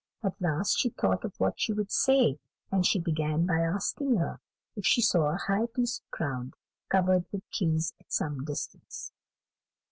At last she thought of what she would say, and she began by asking her if she saw a high piece of ground covered with trees at some distance.